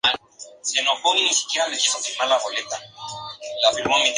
Ambos disfrutan bailando "el robot".